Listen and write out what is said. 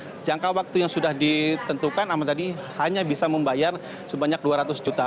nah jangka waktu yang sudah ditentukan ahmad dhani hanya bisa membayar sebanyak dua ratus juta